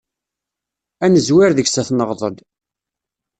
Ad nezwir deg-s ad t-neɣḍel.